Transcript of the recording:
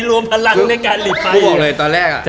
รวมพลังในการหลีบไภ